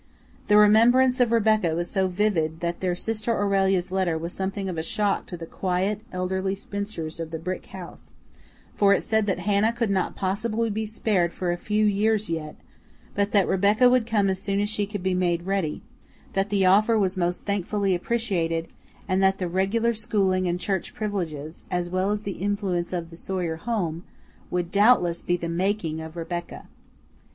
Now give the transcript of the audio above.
The remembrance of Rebecca was so vivid that their sister Aurelia's letter was something of a shock to the quiet, elderly spinsters of the brick house; for it said that Hannah could not possibly be spared for a few years yet, but that Rebecca would come as soon as she could be made ready; that the offer was most thankfully appreciated, and that the regular schooling and church privileges, as well as the influence of the Sawyer home, would doubtless be "the making of Rebecca."